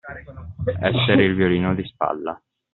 Essere il violino di spalla.